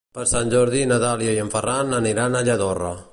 Per Sant Jordi na Dàlia i en Ferran aniran a Lladorre.